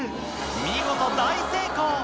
見事大成功！